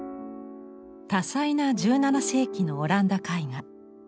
多彩な１７世紀のオランダ絵画。